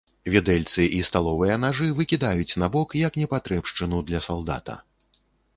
Відэльцы і сталовыя нажы выкідаюць набок, як непатрэбшчыну для салдата.